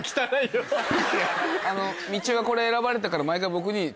みちおがこれ選ばれてから毎回僕に。